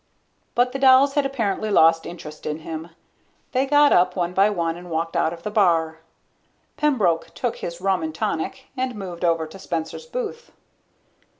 But the dolls had apparently lost interest in him. They got up one by one and walked out of the bar. Pembroke took his rum and tonic and moved over to Spencer's booth.